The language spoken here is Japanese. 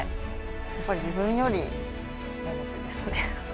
やっぱり自分よりももちですね。